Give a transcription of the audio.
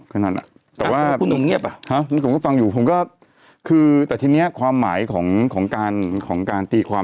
อืมคุณหนุ่มเงียบอ่ะผมก็ฟังอยู่แต่ทีนี้ความหมายของการตีความ